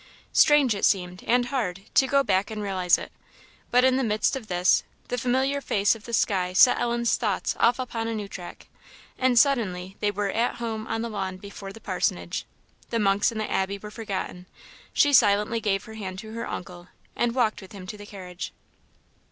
Strange it seemed, and hard, to go back and realize it; but in the midst of this, the familiar face of the sky set Ellen's thoughts off upon a new track, and suddenly they were at home, on the lawn before the parsonage. The monks and the abbey were forgotten; she silently gave her hand to her uncle, and walked with him to the carriage.